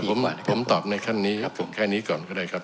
บ๊วยบุรูธิ์ผมตอบในขั้นนี้แค่นี้ก่อนก็ได้ครับ